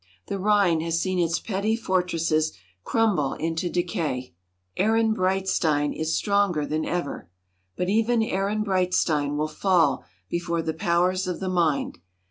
The Rhine has seen its petty fortresses crumble into decay. Ehrenbreitstein is stronger than ever. But even Ehrenbreitstein will fall before the powers of the mind.